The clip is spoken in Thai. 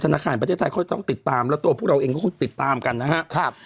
ธนาคารประเทศไทยเขาจะต้องติดตามแล้วตัวพวกเราเองก็คงติดตามกันนะครับ